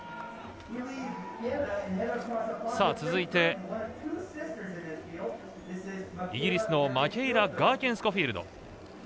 続いて、イギリスのマケイラ・ガーケンスコフィールド。